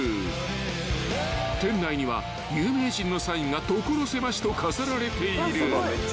［店内には有名人のサインが所狭しと飾られている］